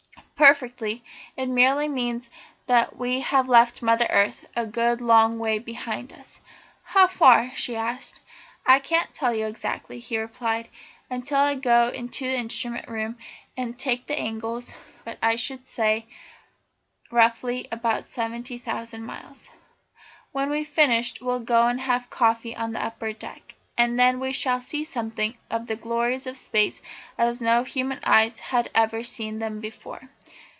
"Perfectly; it merely means that we have left Mother Earth a good long way behind us." "How far?" she asked. "I can't tell you exactly," he replied, "until I go to the instrument room and take the angles, but I should say roughly about seventy thousand miles. When we've finished we'll go and have coffee on the upper deck, and then we shall see something of the glories of Space as no human eyes have ever seen them before."